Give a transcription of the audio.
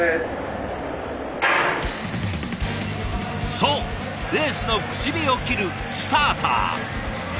そうレースの口火を切るスターター。